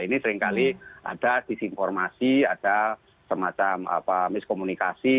ini seringkali ada disinformasi ada semacam miskomunikasi